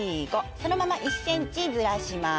そのまま１ｃｍずらします。